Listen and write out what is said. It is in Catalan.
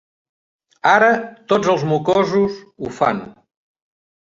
Ara tots els mocosos ho fan.